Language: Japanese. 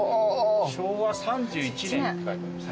昭和３１年って書いてあります。